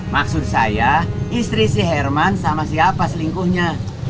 maksud saya istri si herman sama siapa selingkuhnya